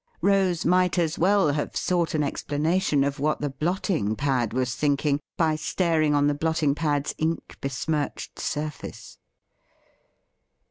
Rose might as well have sought an explanation of what the blotting pad was thinking by staring on the blotting pad's ink besmirched surface.